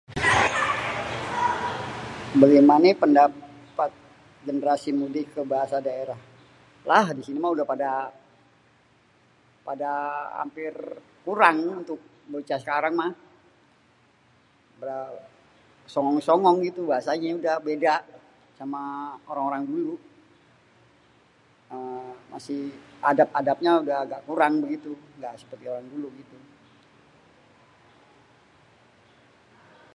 """Bagemané pendapat generasi mudé ke bahasa daerah?"", lah di sini mah udeh pada pada hampir kurang untuk bocah sekarang mah, songong-songong gitu bahasanya beda sama orang dulu. Masih adap-adapnya masih udah agak kurang begitu ga seperti orang dulu gitu."